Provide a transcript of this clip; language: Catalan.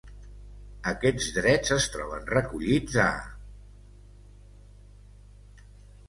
Aquests drets es troben recollits a: